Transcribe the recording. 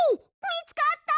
みつかった！？